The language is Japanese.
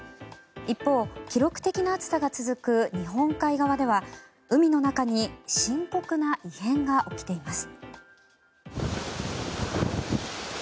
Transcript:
一方、記録的な暑さが続く日本海側では海の中に深刻な異変が起きています。